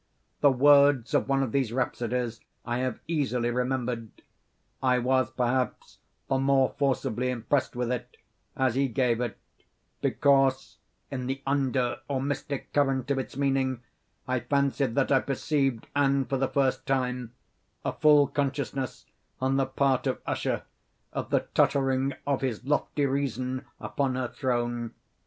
The words of one of these rhapsodies I have easily remembered. I was, perhaps, the more forcibly impressed with it, as he gave it, because, in the under or mystic current of its meaning, I fancied that I perceived, and for the first time, a full consciousness on the part of Usher of the tottering of his lofty reason upon her throne.